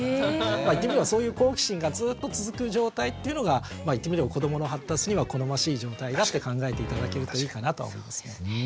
言ってみればそういう好奇心がずっと続く状態っていうのが言ってみれば子どもの発達には好ましい状態だって考えて頂けるといいかなとは思いますね。